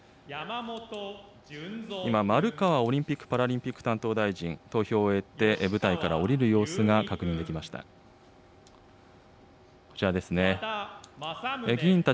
今、丸川オリンピック・パラリンピック担当大臣、投票を終えて、舞台から下りる様子が確認できました。